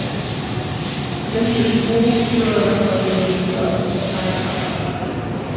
Eventually all pure Rapa Nui blood died out.